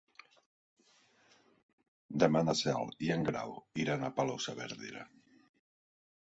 Demà na Cel i en Grau iran a Palau-saverdera.